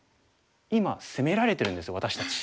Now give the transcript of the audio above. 今攻められてるんです私たち。